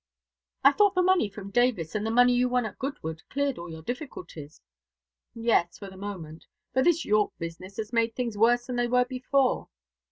"I thought the money from Davis, and the money you won at Goodwood, cleared all your difficulties." "Yes, for the moment. But this York business has made things worse than they were before.